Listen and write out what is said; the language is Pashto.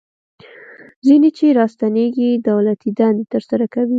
ځینې چې راستنیږي دولتي دندې ترسره کوي.